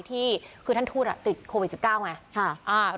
ที่คือท่านทูตติดโควิด๑๙ไง